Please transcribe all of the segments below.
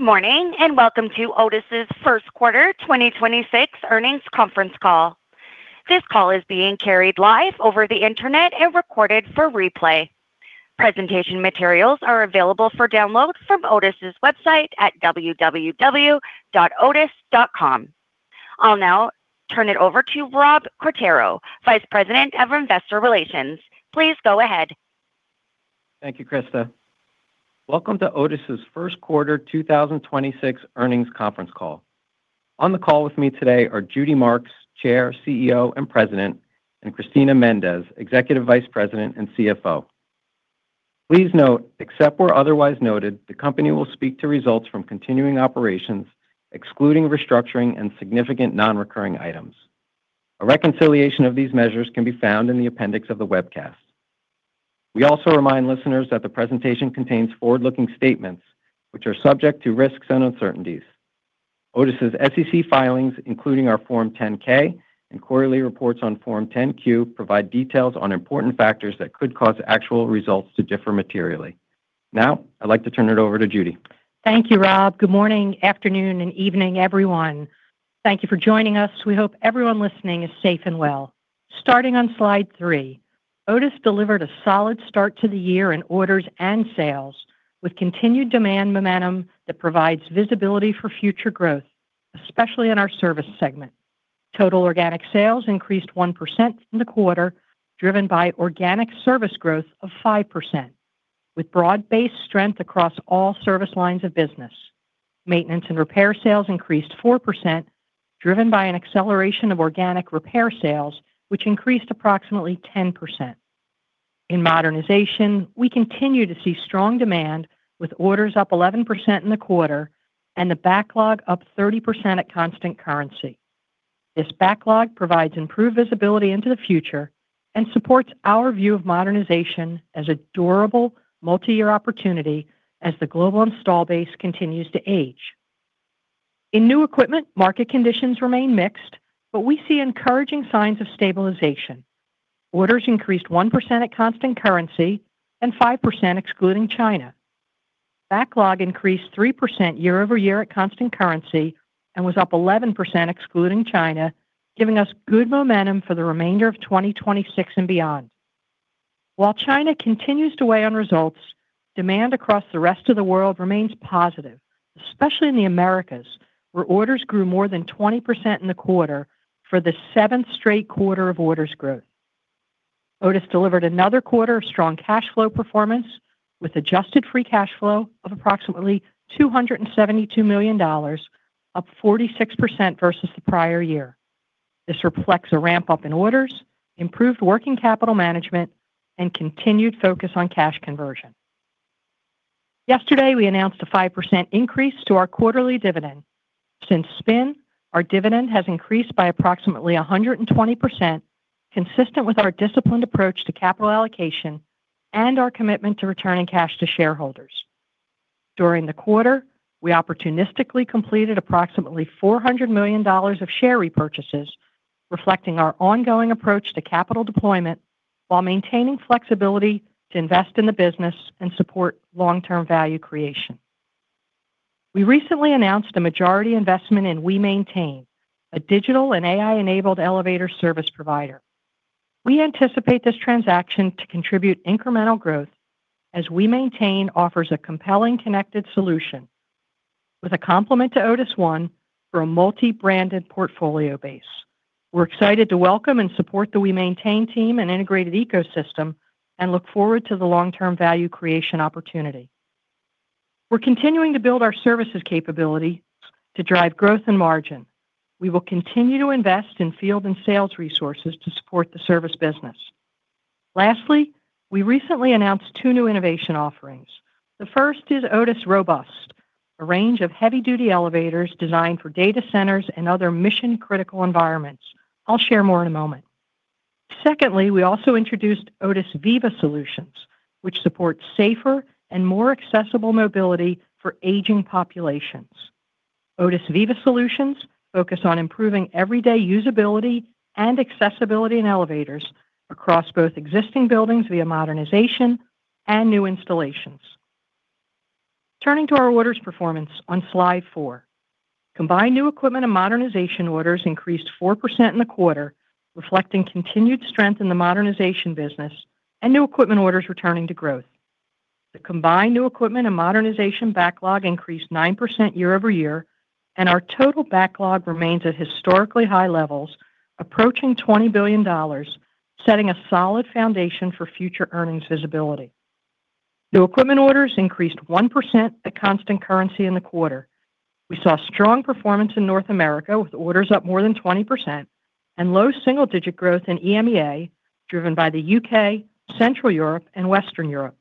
Good morning, and welcome to Otis' first quarter 2026 earnings conference call. This call is being carried live over the internet and recorded for replay. Presentation materials are available for download from Otis' website at www.otis.com. I'll now turn it over to Rob Quartararo, Vice President of Investor Relations. Please go ahead. Thank you, Krista. Welcome to Otis' first quarter 2026 earnings conference call. On the call with me today are Judy Marks, Chair, CEO, and President, and Cristina Méndez, Executive Vice President and CFO. Please note, except where otherwise noted, the company will speak to results from continuing operations, excluding restructuring and significant non-recurring items. A reconciliation of these measures can be found in the appendix of the webcast. We also remind listeners that the presentation contains forward-looking statements, which are subject to risks and uncertainties. Otis' SEC filings, including our Form 10-K and quarterly reports on Form 10-Q, provide details on important factors that could cause actual results to differ materially. Now, I'd like to turn it over to Judy. Thank you, Rob. Good morning, afternoon, and evening, everyone. Thank you for joining us. We hope everyone listening is safe and well. Starting on slide three, Otis delivered a solid start to the year in orders and sales, with continued demand momentum that provides visibility for future growth, especially in our service segment. Total organic sales increased 1% in the quarter, driven by organic service growth of 5%, with broad-based strength across all service lines of business. Maintenance and repair sales increased 4%, driven by an acceleration of organic repair sales, which increased approximately 10%. In modernization, we continue to see strong demand with orders up 11% in the quarter and the backlog up 30% at constant currency. This backlog provides improved visibility into the future and supports our view of modernization as a durable, multi-year opportunity as the global install base continues to age. In new equipment, market conditions remain mixed, but we see encouraging signs of stabilization. Orders increased 1% at constant currency and 5% excluding China. Backlog increased 3% year-over-year at constant currency and was up 11% excluding China, giving us good momentum for the remainder of 2026 and beyond. While China continues to weigh on results, demand across the rest of the world remains positive, especially in the Americas, where orders grew more than 20% in the quarter for the seventh straight quarter of orders growth. Otis delivered another quarter of strong cash flow performance with adjusted free cash flow of approximately $272 million, up 46% versus the prior year. This reflects a ramp-up in orders, improved working capital management, and continued focus on cash conversion. Yesterday, we announced a 5% increase to our quarterly dividend. Since spin, our dividend has increased by approximately 120%, consistent with our disciplined approach to capital allocation and our commitment to returning cash to shareholders. During the quarter, we opportunistically completed approximately $400 million of share repurchases, reflecting our ongoing approach to capital deployment while maintaining flexibility to invest in the business and support long-term value creation. We recently announced a majority investment in WeMaintain, a digital and AI-enabled elevator service provider. We anticipate this transaction to contribute incremental growth as WeMaintain offers a compelling connected solution with a complement to Otis ONE for a multi-branded portfolio base. We're excited to welcome and support the WeMaintain team and integrated ecosystem and look forward to the long-term value creation opportunity. We're continuing to build our services capability to drive growth and margin. We will continue to invest in field and sales resources to support the service business. Lastly, we recently announced two new innovation offerings. The first is Otis Robust, a range of heavy-duty elevators designed for data centers and other mission-critical environments. I'll share more in a moment. Secondly, we also introduced Otis Viva Solutions, which supports safer and more accessible mobility for aging populations. Otis Viva Solutions focus on improving everyday usability and accessibility in elevators across both existing buildings via modernization and new installations. Turning to our orders performance on slide four. Combined new equipment and modernization orders increased 4% in the quarter, reflecting continued strength in the modernization business and new equipment orders returning to growth. The combined new equipment and modernization backlog increased 9% year-over-year, and our total backlog remains at historically high levels, approaching $20 billion, setting a solid foundation for future earnings visibility. New equipment orders increased 1% at constant currency in the quarter. We saw strong performance in North America, with orders up more than 20% and low single-digit growth in EMEA, driven by the U.K., Central Europe, and Western Europe.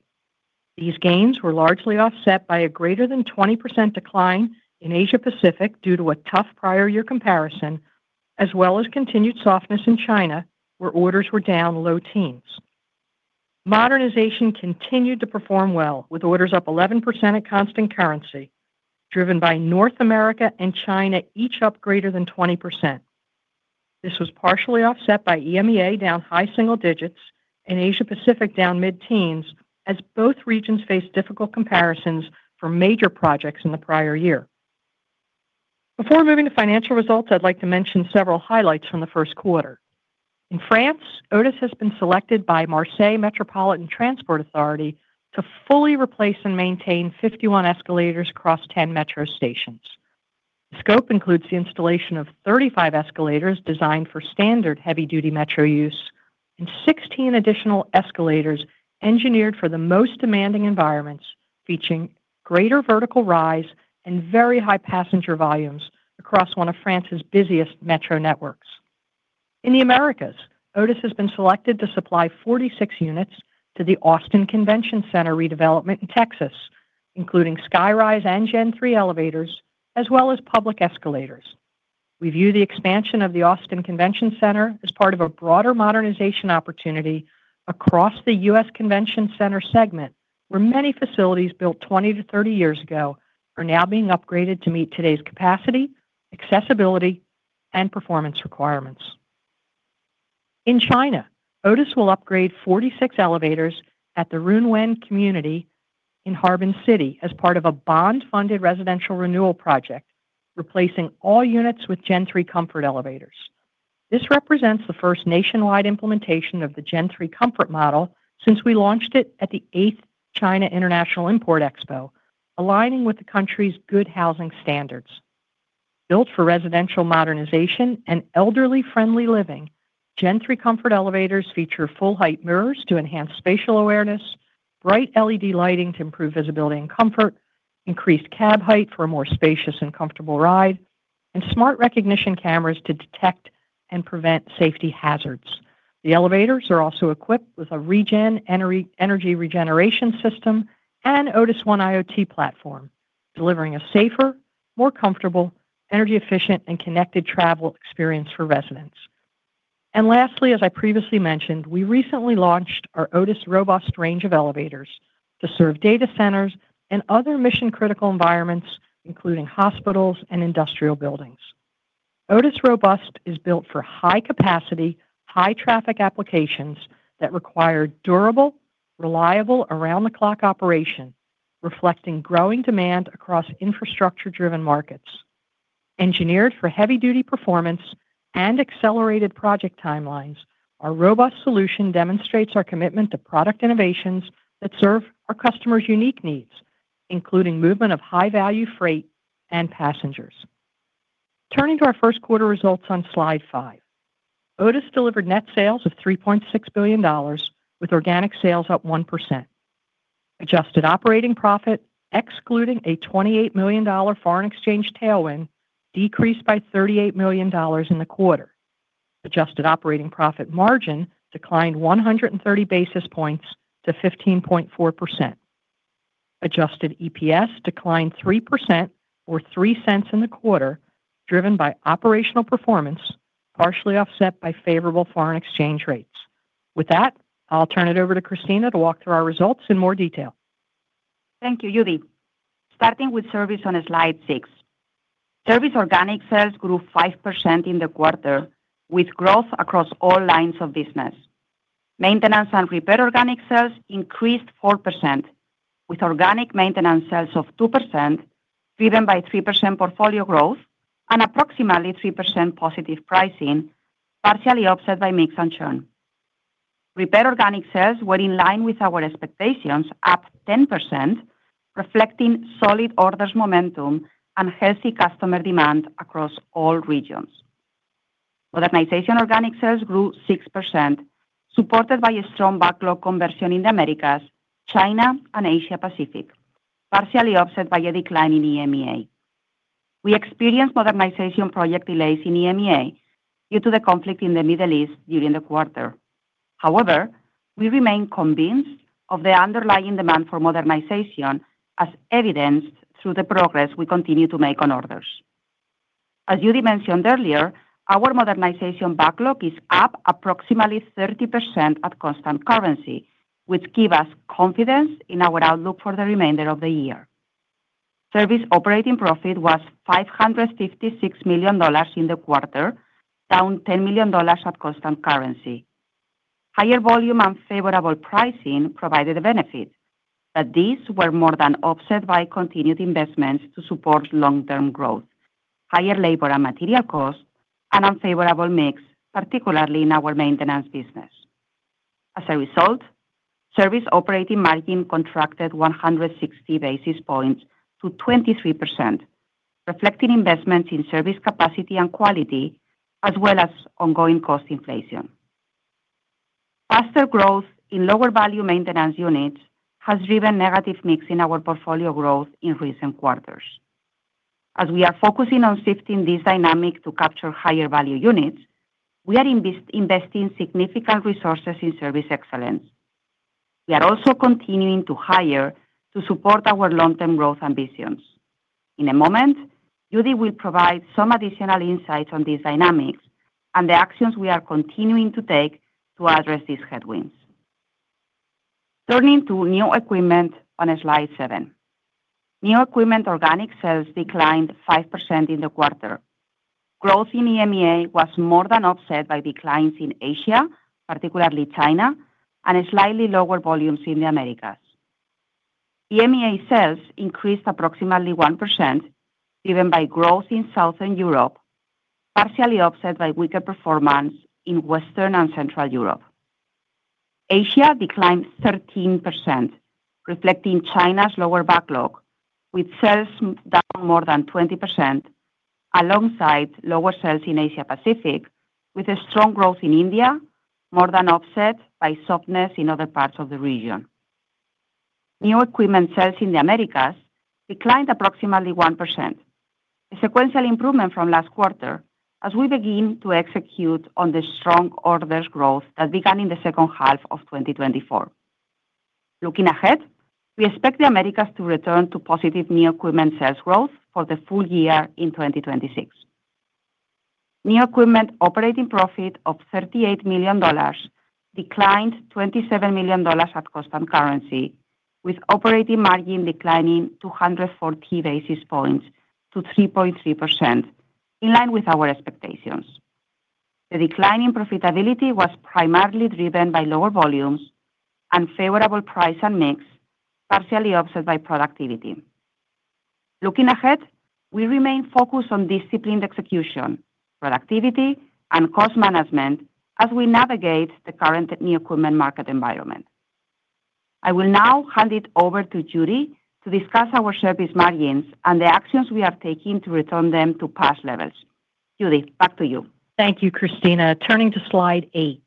These gains were largely offset by a greater than 20% decline in Asia-Pacific due to a tough prior year comparison, as well as continued softness in China, where orders were down low teens. Modernization continued to perform well, with orders up 11% at constant currency, driven by North America and China each up greater than 20%. This was partially offset by EMEA down high single digits and Asia-Pacific down mid-teens, as both regions faced difficult comparisons for major projects in the prior year. Before moving to financial results, I'd like to mention several highlights from the first quarter. In France, Otis has been selected by Marseille Metropolitan Transport Authority to fully replace and maintain 51 escalators across 10 metro stations. The scope includes the installation of 35 escalators designed for standard heavy-duty metro use and 16 additional escalators engineered for the most demanding environments, featuring greater vertical rise and very high passenger volumes across one of France's busiest metro networks. In the Americas, Otis has been selected to supply 46 units to the Austin Convention Center redevelopment in Texas, including SkyRise and Gen3 elevators, as well as public escalators. We view the expansion of the Austin Convention Center as part of a broader modernization opportunity across the U.S. Convention Center segment, where many facilities built 20-30 years ago are now being upgraded to meet today's capacity, accessibility, and performance requirements. In China, Otis will upgrade 46 elevators at the Runwen community in Harbin City as part of a bond-funded residential renewal project, replacing all units with Gen3 Comfort elevators. This represents the first nationwide implementation of the Gen3 Comfort model since we launched it at the 8th China International Import Expo, aligning with the country's good housing standards. Built for residential modernization and elderly-friendly living, Gen3 Comfort elevators feature full-height mirrors to enhance spatial awareness, bright LED lighting to improve visibility and comfort, increased cab height for a more spacious and comfortable ride, and smart recognition cameras to detect and prevent safety hazards. The elevators are also equipped with a ReGen energy regeneration system and Otis ONE IoT platform, delivering a safer, more comfortable, energy-efficient, and connected travel experience for residents. Lastly, as I previously mentioned, we recently launched our Otis Robust range of elevators to serve data centers and other mission-critical environments, including hospitals and industrial buildings. Otis Robust is built for high-capacity, high-traffic applications that require durable, reliable, around-the-clock operation, reflecting growing demand across infrastructure-driven markets. Engineered for heavy-duty performance and accelerated project timelines, our Robust solution demonstrates our commitment to product innovations that serve our customers' unique needs, including movement of high-value freight and passengers. Turning to our first quarter results on slide five. Otis delivered net sales of $3.6 billion with organic sales up 1%. Adjusted operating profit, excluding a $28 million foreign exchange tailwind, decreased by $38 million in the quarter. Adjusted operating profit margin declined 130 basis points to 15.4%. Adjusted EPS declined 3% or $0.03 in the quarter driven by operational performance, partially offset by favorable foreign exchange rates. With that, I'll turn it over to Cristina to walk through our results in more detail. Thank you, Judy. Starting with service on slide six. Service organic sales grew 5% in the quarter, with growth across all lines of business. Maintenance and repair organic sales increased 4%, with organic maintenance sales of 2%, driven by 3% portfolio growth and approximately 3% positive pricing, partially offset by mix and churn. Repair organic sales were in line with our expectations, up 10%, reflecting solid orders momentum and healthy customer demand across all regions. Modernization organic sales grew 6%, supported by a strong backlog conversion in the Americas, China, and Asia Pacific, partially offset by a decline in EMEA. We experienced modernization project delays in EMEA due to the conflict in the Middle East during the quarter. However, we remain convinced of the underlying demand for modernization, as evidenced through the progress we continue to make on orders. As Judy mentioned earlier, our modernization backlog is up approximately 30% at constant currency, which give us confidence in our outlook for the remainder of the year. Service operating profit was $556 million in the quarter, down $10 million at constant currency. Higher volume and favorable pricing provided a benefit, but these were more than offset by continued investments to support long-term growth, higher labor and material costs, and unfavorable mix, particularly in our maintenance business. As a result, service operating margin contracted 160 basis points to 23%, reflecting investments in service capacity and quality, as well as ongoing cost inflation. Faster growth in lower-value maintenance units has driven negative mix in our portfolio growth in recent quarters. As we are focusing on shifting this dynamic to capture higher-value units, we are investing significant resources in service excellence. We are also continuing to hire to support our long-term growth ambitions. In a moment, Judy will provide some additional insights on these dynamics and the actions we are continuing to take to address these headwinds. Turning to new equipment on slide seven. New equipment organic sales declined 5% in the quarter. Growth in EMEA was more than offset by declines in Asia, particularly China, and slightly lower volumes in the Americas. EMEA sales increased approximately 1%, driven by growth in Southern Europe, partially offset by weaker performance in Western and Central Europe. Asia declined 13%, reflecting China's lower backlog, with sales down more than 20%, alongside lower sales in Asia Pacific, with a strong growth in India, more than offset by softness in other parts of the region. New equipment sales in the Americas declined approximately 1%, a sequential improvement from last quarter as we begin to execute on the strong orders growth that began in the second half of 2024. Looking ahead, we expect the Americas to return to positive new equipment sales growth for the full year in 2026. New equipment operating profit of $38 million declined $27 million at constant currency, with operating margin declining 240 basis points to 3.3%, in line with our expectations. The decline in profitability was primarily driven by lower volumes, unfavorable price and mix, partially offset by productivity. Looking ahead, we remain focused on disciplined execution, productivity, and cost management as we navigate the current new equipment market environment. I will now hand it over to Judy to discuss our service margins and the actions we have taken to return them to past levels. Judy, back to you. Thank you, Cristina Méndez. Turning to slide eight.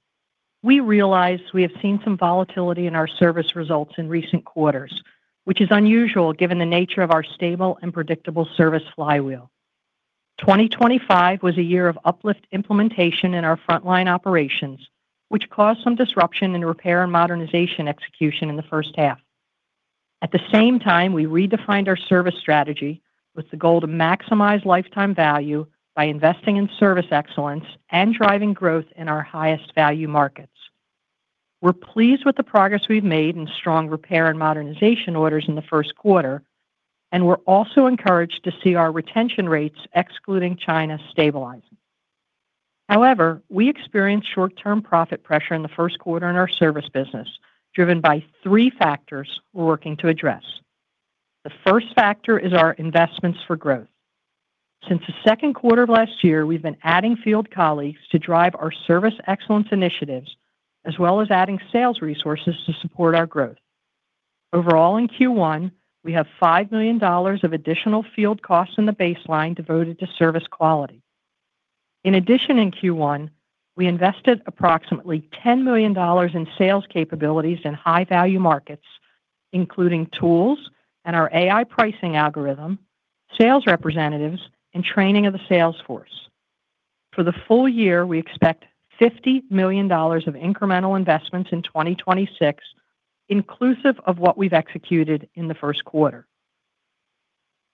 We realize we have seen some volatility in our service results in recent quarters, which is unusual given the nature of our stable and predictable service flywheel. 2025 was a year of uplift implementation in our frontline operations, which caused some disruption in repair and modernization execution in the first half. At the same time, we redefined our service strategy with the goal to maximize lifetime value by investing in service excellence and driving growth in our highest value markets. We're pleased with the progress we've made in strong repair and modernization orders in the first quarter, and we're also encouraged to see our retention rates, excluding China, stabilizing. However, we experienced short-term profit pressure in the first quarter in our service business, driven by three factors we're working to address. The first factor is our investments for growth. Since the second quarter of last year, we've been adding field colleagues to drive our service excellence initiatives, as well as adding sales resources to support our growth. Overall, in Q1, we have $5 million of additional field costs in the baseline devoted to service quality. In addition, in Q1, we invested approximately $10 million in sales capabilities in high-value markets, including tools and our AI pricing algorithm, sales representatives, and training of the sales force. For the full year, we expect $50 million of incremental investments in 2026, inclusive of what we've executed in the first quarter.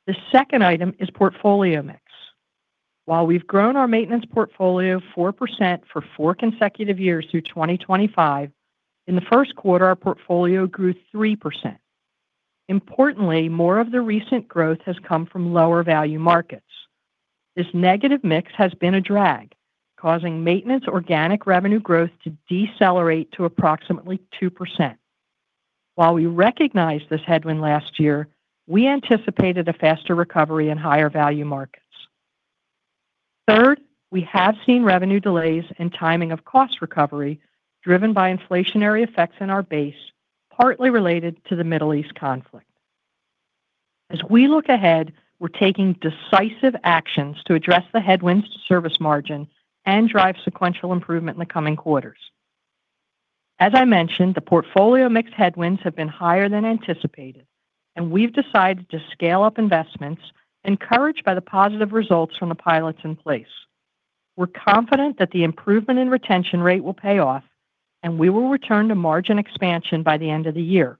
The second item is portfolio mix. While we've grown our maintenance portfolio 4% for four consecutive years through 2025, in the first quarter, our portfolio grew 3%. Importantly, more of the recent growth has come from lower-value markets. This negative mix has been a drag, causing maintenance organic revenue growth to decelerate to approximately 2%. While we recognized this headwind last year, we anticipated a faster recovery in higher value markets. Third, we have seen revenue delays and timing of cost recovery driven by inflationary effects in our base, partly related to the Middle East conflict. As we look ahead, we're taking decisive actions to address the headwinds to service margin and drive sequential improvement in the coming quarters. As I mentioned, the portfolio mix headwinds have been higher than anticipated, and we've decided to scale up investments, encouraged by the positive results from the pilots in place. We're confident that the improvement in retention rate will pay off, and we will return to margin expansion by the end of the year.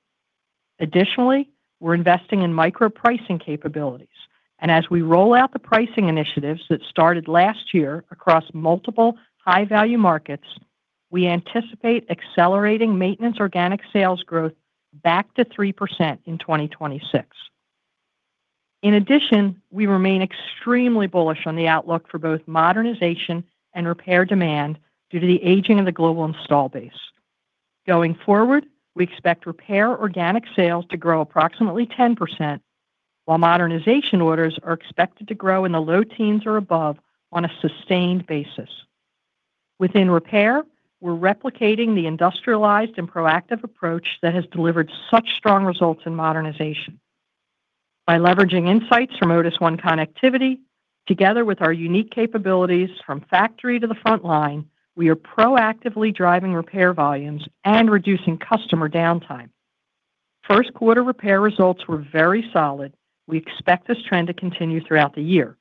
Additionally, we're investing in micro-pricing capabilities, and as we roll out the pricing initiatives that started last year across multiple high-value markets, we anticipate accelerating maintenance organic sales growth back to 3% in 2026. In addition, we remain extremely bullish on the outlook for both modernization and repair demand due to the aging of the global installed base. Going forward, we expect repair organic sales to grow approximately 10%, while modernization orders are expected to grow in the low teens or above on a sustained basis. Within repair, we're replicating the industrialized and proactive approach that has delivered such strong results in modernization. By leveraging insights from Otis ONE connectivity together with our unique capabilities from factory to the front line, we are proactively driving repair volumes and reducing customer downtime. First quarter repair results were very solid. We expect this trend to continue throughout the year.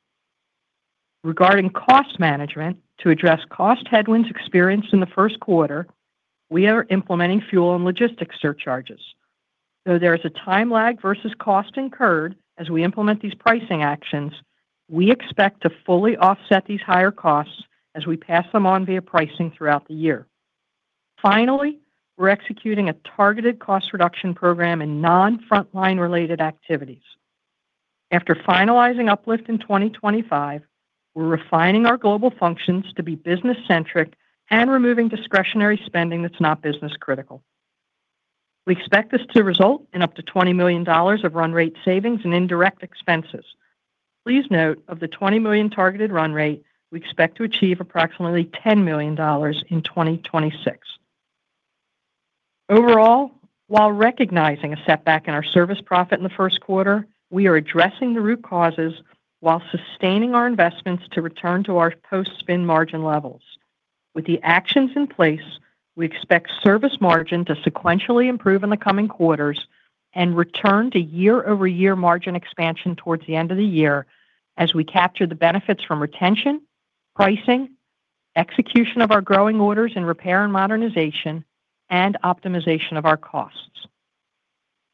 Regarding cost management, to address cost headwinds experienced in the first quarter, we are implementing fuel and logistics surcharges. There is a time lag versus cost incurred as we implement these pricing actions. We expect to fully offset these higher costs as we pass them on via pricing throughout the year. Finally, we're executing a targeted cost reduction program in non-frontline related activities. After finalizing uplift in 2025, we're refining our global functions to be business-centric and removing discretionary spending that's not business critical. We expect this to result in up to $20 million of run rate savings and indirect expenses. Please note, of the $20 million targeted run rate, we expect to achieve approximately $10 million in 2026. Overall, while recognizing a setback in our service profit in the first quarter, we are addressing the root causes while sustaining our investments to return to our post-spin margin levels. With the actions in place, we expect service margin to sequentially improve in the coming quarters and return to year-over-year margin expansion towards the end of the year, as we capture the benefits from retention, pricing, execution of our growing orders in repair and modernization, and optimization of our costs.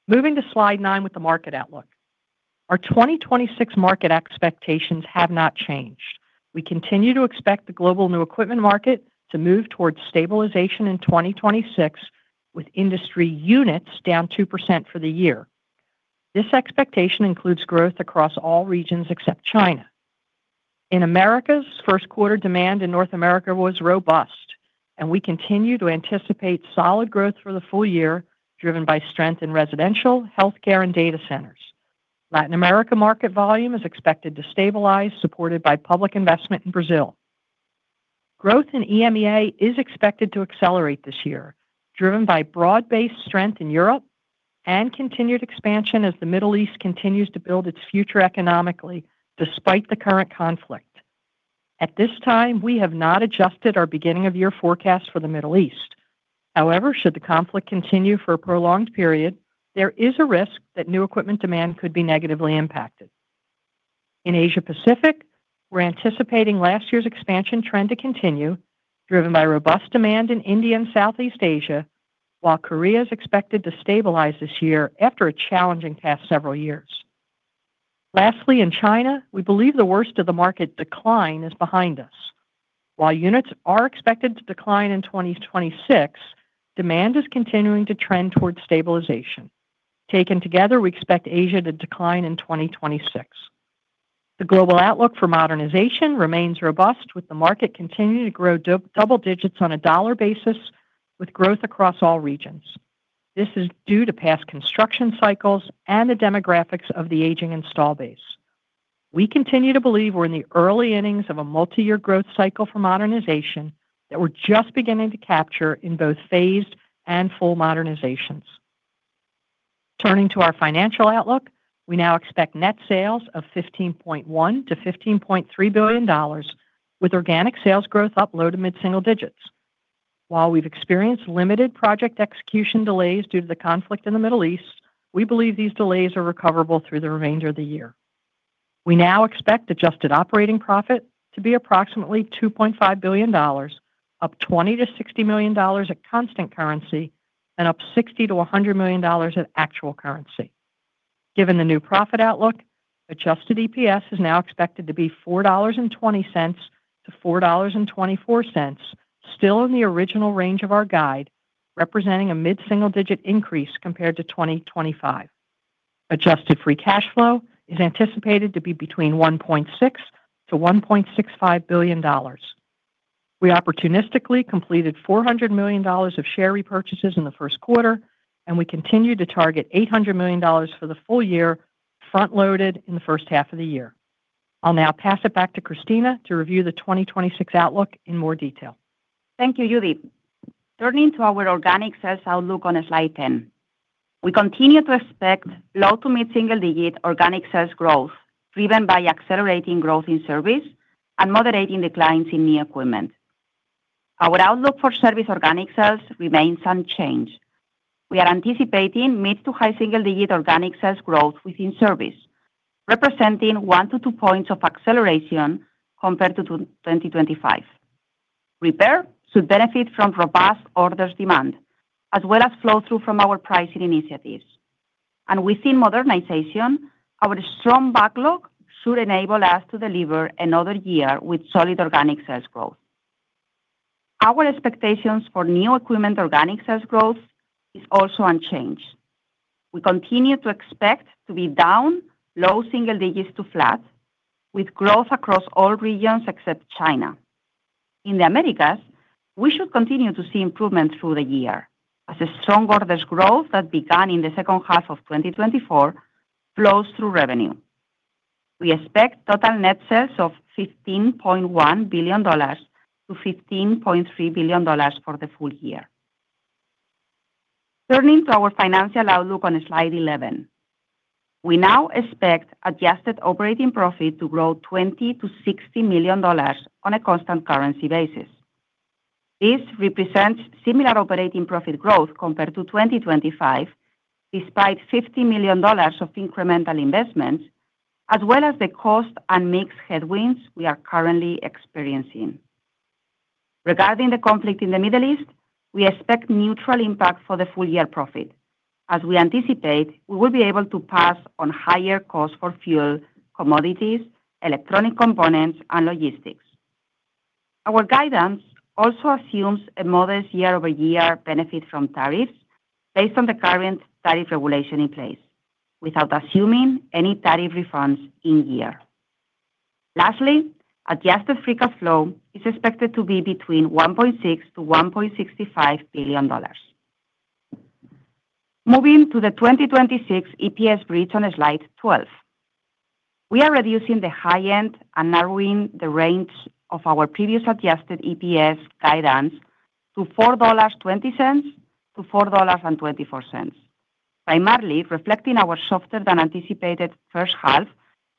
Moving to slide nine with the market outlook. Our 2026 market expectations have not changed. We continue to expect the global new equipment market to move towards stabilization in 2026, with industry units down 2% for the year. This expectation includes growth across all regions except China. In the Americas, first quarter demand in North America was robust, and we continue to anticipate solid growth for the full year, driven by strength in residential, healthcare, and data centers. Latin America market volume is expected to stabilize, supported by public investment in Brazil. Growth in EMEA is expected to accelerate this year, driven by broad-based strength in Europe and continued expansion as the Middle East continues to build its future economically despite the current conflict. At this time, we have not adjusted our beginning of year forecast for the Middle East. However, should the conflict continue for a prolonged period, there is a risk that new equipment demand could be negatively impacted. In Asia Pacific, we're anticipating last year's expansion trend to continue, driven by robust demand in India and Southeast Asia, while Korea is expected to stabilize this year after a challenging past several years. Lastly, in China, we believe the worst of the market decline is behind us. While units are expected to decline in 2026, demand is continuing to trend towards stabilization. Taken together, we expect Asia to decline in 2026. The global outlook for modernization remains robust, with the market continuing to grow double digits on a dollar basis with growth across all regions. This is due to past construction cycles and the demographics of the aging install base. We continue to believe we're in the early innings of a multi-year growth cycle for modernization that we're just beginning to capture in both phased and full modernizations. Turning to our financial outlook, we now expect net sales of $15.1 billion-$15.3 billion with organic sales growth up low- to mid-single digits. While we've experienced limited project execution delays due to the conflict in the Middle East, we believe these delays are recoverable through the remainder of the year. We now expect adjusted operating profit to be approximately $2.5 billion, up $20 million-$60 million at constant currency and up $60 million-$100 million at actual currency. Given the new profit outlook, adjusted EPS is now expected to be $4.20-$4.24, still in the original range of our guide, representing a mid-single-digit increase compared to 2025. Adjusted free cash flow is anticipated to be between $1.6 billion-$1.65 billion. We opportunistically completed $400 million of share repurchases in the first quarter, and we continue to target $800 million for the full year, front-loaded in the first half of the year. I'll now pass it back to Cristina Méndez to review the 2026 outlook in more detail. Thank you, Judy. Turning to our organic sales outlook on slide 10. We continue to expect low- to mid-single-digit organic sales growth driven by accelerating growth in service and moderating declines in new equipment. Our outlook for service organic sales remains unchanged. We are anticipating mid- to high single-digit organic sales growth within service, representing one to two points of acceleration compared to 2025. Repair should benefit from robust order demand, as well as flow-through from our pricing initiatives. Within modernization, our strong backlog should enable us to deliver another year with solid organic sales growth. Our expectations for new equipment organic sales growth is also unchanged. We continue to expect to be down low single-digits to flat, with growth across all regions except China. In the Americas, we should continue to see improvement through the year as the strong orders growth that began in the second half of 2024 flows through revenue. We expect total net sales of $15.1 billion-$15.3 billion for the full year. Turning to our financial outlook on slide 11. We now expect adjusted operating profit to grow $20 million-$60 million on a constant currency basis. This represents similar operating profit growth compared to 2025, despite $50 million of incremental investments, as well as the cost and mixed headwinds we are currently experiencing. Regarding the conflict in the Middle East, we expect neutral impact for the full-year profit. As we anticipate, we will be able to pass on higher costs for fuel, commodities, electronic components, and logistics. Our guidance also assumes a modest year-over-year benefit from tariffs based on the current tariff regulation in place without assuming any tariff refunds in year. Lastly, adjusted free cash flow is expected to be between $1.6 billion-$1.65 billion. Moving to the 2026 EPS bridge on slide 12. We are reducing the high end and narrowing the range of our previous suggested EPS guidance to $4.20-$4.24, primarily reflecting our softer than anticipated first half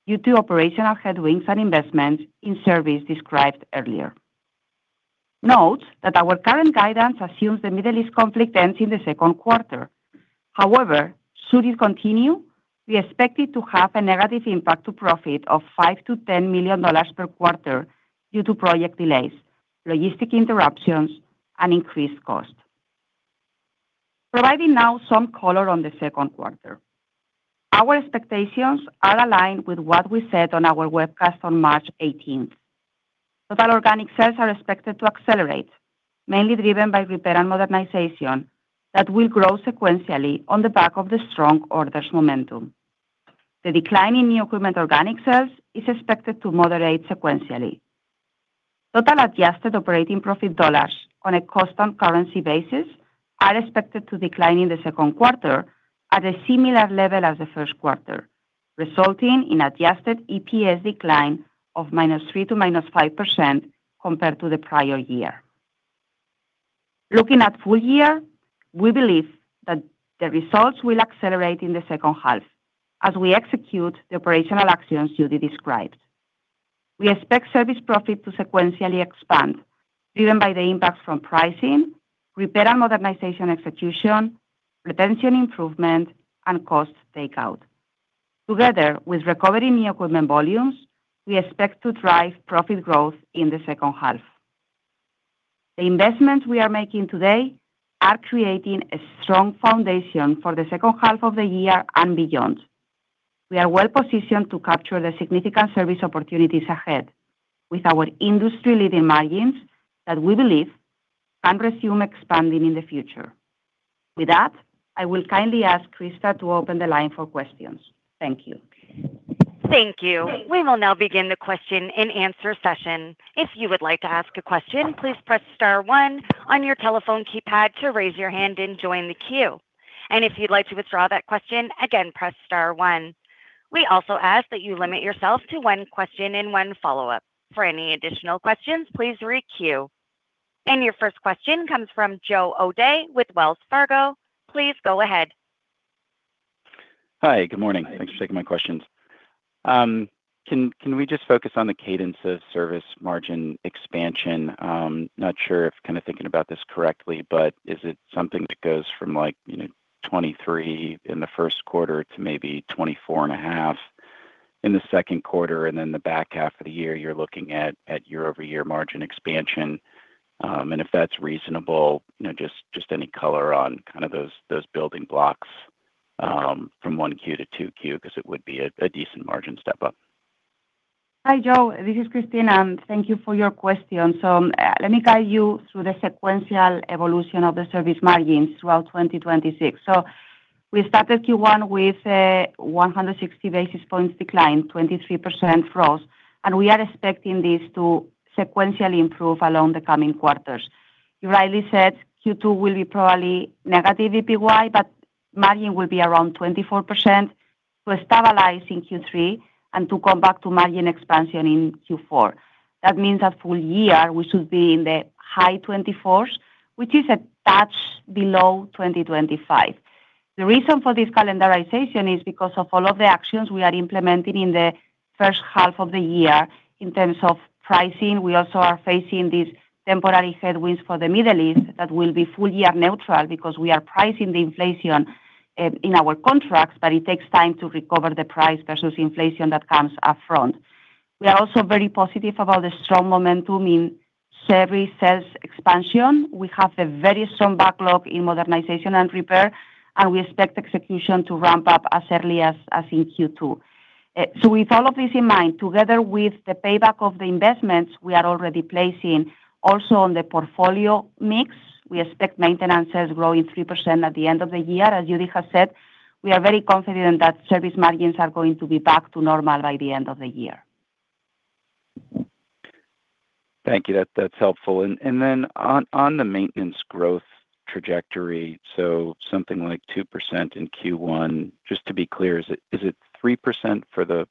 due to operational headwinds and investment in service described earlier. Note that our current guidance assumes the Middle East conflict ends in the second quarter. However, should it continue, we expect it to have a negative impact to profit of $5 million-$10 million per quarter due to project delays, logistical interruptions, and increased cost. Providing now some color on the second quarter. Our expectations are aligned with what we said on our webcast on March 18th. Total organic sales are expected to accelerate, mainly driven by repair and modernization that will grow sequentially on the back of the strong orders momentum. The decline in new equipment organic sales is expected to moderate sequentially. Total adjusted operating profit dollars on a constant currency basis are expected to decline in the second quarter at a similar level as the first quarter, resulting in adjusted EPS decline of -3%-5% compared to the prior year. Looking at full year, we believe that the results will accelerate in the second half as we execute the operational actions Judy described. We expect service profit to sequentially expand, driven by the impact from pricing, repair and modernization execution, retention improvement, and cost takeout. Together with recovery in new equipment volumes, we expect to drive profit growth in the second half. The investments we are making today are creating a strong foundation for the second half of the year and beyond. We are well-positioned to capture the significant service opportunities ahead with our industry-leading margins that we believe can resume expanding in the future. With that, I will kindly ask Krista to open the line for questions. Thank you. Thank you. We will now begin the question and answer session. If you would like to ask a question, please press star one on your telephone keypad to raise your hand and join the queue. If you'd like to withdraw that question, again, press star one. We also ask that you limit yourself to one question and one follow-up. For any additional questions, please re-queue. Your first question comes from Joe O'Dea with Wells Fargo. Please go ahead. Hi. Good morning. Thanks for taking my questions. Can we just focus on the cadence of service margin expansion? I'm not sure if kind of thinking about this correctly, but is it something that goes from 23% in the first quarter to maybe 24.5% in the second quarter, and then the back half of the year, you're looking at year-over-year margin expansion? If that's reasonable, just any color on kind of those building blocks from Q1 to Q2, because it would be a decent margin step up. Hi, Joe. This is Cristina, and thank you for your question. Let me guide you through the sequential evolution of the service margins throughout 2026. We started Q1 with a 160 basis points decline, 23% growth. We are expecting this to sequentially improve along the coming quarters. You rightly said Q2 will be probably negative PY, but margin will be around 24%, will stabilize in Q3, and to come back to margin expansion in Q4. That means that full year, we should be in the high 24s, which is a touch below 2025. The reason for this calendarization is because of all of the actions we are implementing in the first half of the year in terms of pricing. We also are facing these temporary headwinds for the Middle East that will be full year neutral because we are pricing the inflation in our contracts, but it takes time to recover the price versus inflation that comes up front. We are also very positive about the strong momentum in service sales expansion. We have a very strong backlog in modernization and repair, and we expect execution to ramp up as early as in Q2. With all of this in mind, together with the payback of the investments we are already placing also on the portfolio mix, we expect maintenance sales growing 3% at the end of the year. As Judy has said, we are very confident that service margins are going to be back to normal by the end of the year. Thank you. That's helpful. On the maintenance growth trajectory, so something like 2% in Q1. Just to be clear, is it 3% for the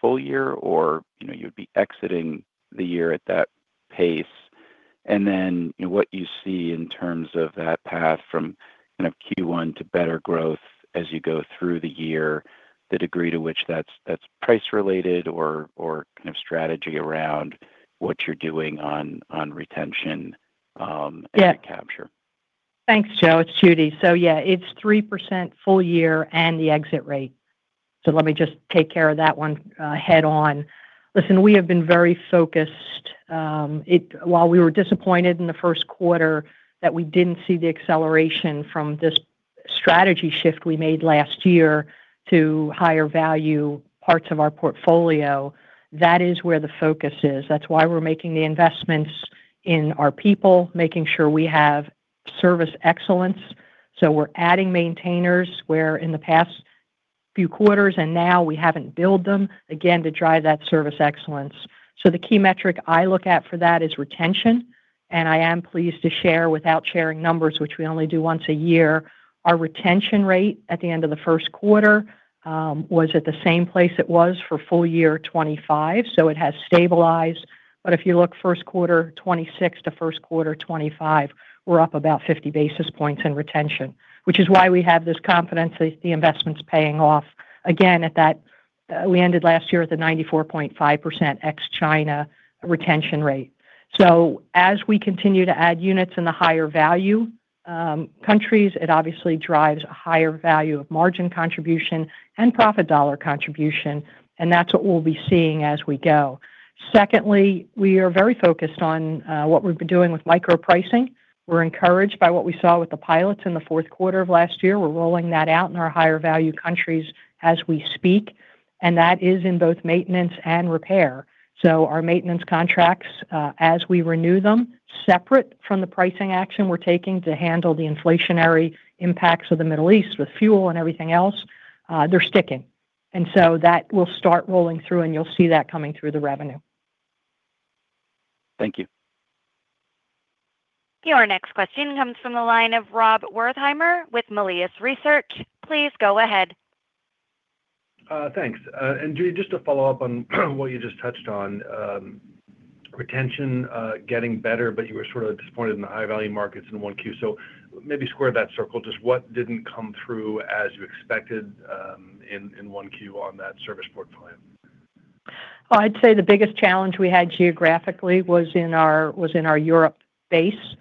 full year, or you'd be exiting the year at that pace? What you see in terms of that path from kind of Q1 to better growth as you go through the year, the degree to which that's price related or kind of strategy around what you're doing on retention and capture? Thanks, Joe. It's Judy. Yeah, it's 3% full year and the exit rate. Let me just take care of that one head on. Listen, we have been very focused. While we were disappointed in the first quarter that we didn't see the acceleration from this strategy shift we made last year to higher value parts of our portfolio, that is where the focus is. That's why we're making the investments in our people, making sure we have service excellence, so we're adding maintainers where in the past few quarters and now we haven't billed them, again, to drive that service excellence. The key metric I look at for that is retention, and I am pleased to share without sharing numbers, which we only do once a year, our retention rate at the end of the first quarter was at the same place it was for full year 2025. It has stabilized. If you look first quarter 2026 to first quarter 2025, we're up about 50 basis points in retention, which is why we have this confidence that the investment's paying off. Again, we ended last year at the 94.5% ex-China retention rate. As we continue to add units in the higher value countries, it obviously drives a higher value of margin contribution and profit dollar contribution, and that's what we'll be seeing as we go. Secondly, we are very focused on what we've been doing with micro-pricing. We're encouraged by what we saw with the pilots in the fourth quarter of last year. We're rolling that out in our higher value countries as we speak, and that is in both maintenance and repair. Our maintenance contracts, as we renew them, separate from the pricing action we're taking to handle the inflationary impacts of the Middle East with fuel and everything else, they're sticking. That will start rolling through, and you'll see that coming through the revenue. Thank you. Your next question comes from the line of Rob Wertheimer with Melius Research. Please go ahead. Thanks. Judy, just to follow up on what you just touched on, retention getting better, but you were sort of disappointed in the high-value markets in 1Q. Maybe square that circle. Just what didn't come through as you expected in 1Q on that service portfolio? Oh, I'd say the biggest challenge we had geographically was in our Europe base.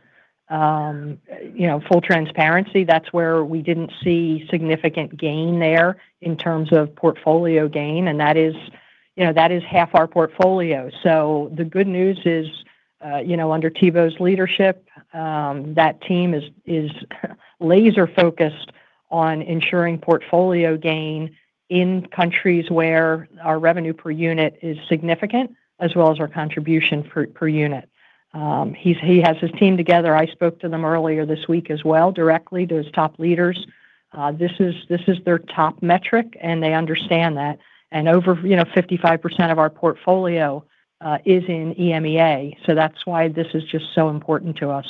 Full transparency, that's where we didn't see significant gain there in terms of portfolio gain, and that is half our portfolio. So the good news is under Thibaut's leadership, that team is laser-focused on ensuring portfolio gain in countries where our revenue per unit is significant, as well as our contribution per unit. He has his team together. I spoke to them earlier this week as well, directly to his top leaders. This is their top metric, and they understand that. Over 55% of our portfolio is in EMEA, so that's why this is just so important to us.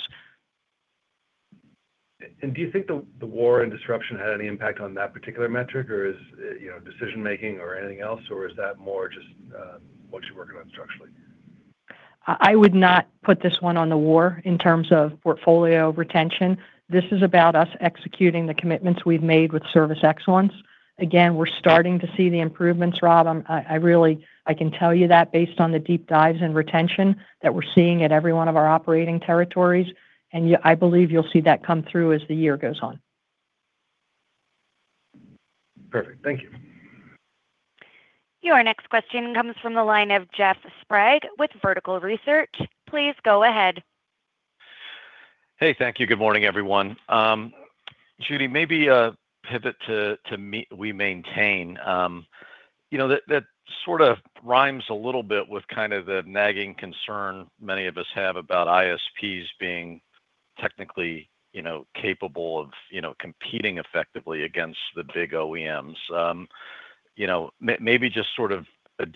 Do you think the war and disruption had any impact on that particular metric, or decision-making or anything else, or is that more just what you're working on structurally? I would not put this one on the war in terms of portfolio retention. This is about us executing the commitments we've made with service excellence. Again, we're starting to see the improvements, Rob. I can tell you that based on the deep dives in retention that we're seeing at every one of our operating territories, and I believe you'll see that come through as the year goes on. Perfect. Thank you. Your next question comes from the line of Jeff Sprague with Vertical Research. Please go ahead. Hey, thank you. Good morning, everyone. Judy, maybe a pivot to WeMaintain. That sort of rhymes a little bit with kind of the nagging concern many of us have about ISPs being technically capable of competing effectively against the big OEMs. Maybe just sort of